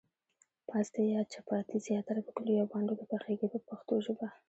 پاستي یا چپاتي زیاتره په کلیو او بانډو کې پخیږي په پښتو ژبه.